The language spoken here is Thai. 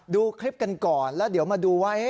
ดูคลิปกันก่อนแล้วเดี๋ยวมาดูไว้